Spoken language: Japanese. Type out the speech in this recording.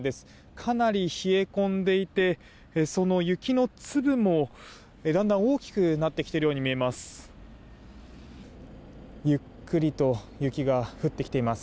かなり冷え込んでいてその雪の粒もだんだん大きくなっているように見えます。